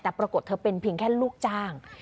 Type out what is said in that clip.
แต่ปรากฏเธอเป็นเพียงแค่ลูกจ้าง